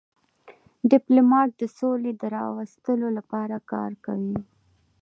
ډيپلومات د سولي د راوستلو لپاره کار کوي.